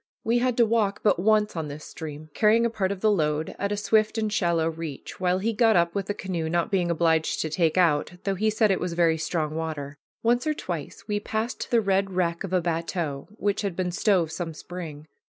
We had to walk but once on this stream, carrying a part of the load, at a swift and shallow reach, while he got up with the canoe, not being obliged to take out, though he said it was very strong water. Once or twice we passed the red wreck of a bateau which had been stove some spring.